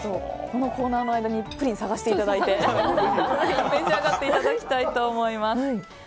このコーナーの間にプリンを探していただいて召し上がっていただきたいと思います。